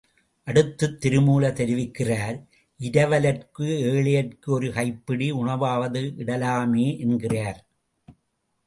அடுத்துத் திருமூலர் தெரிவிக்கிறார் இரவலர்க்கு ஏழையர்க்கு ஒரு கைப்பிடி உணவாவது இடலாமே என்கிறார்.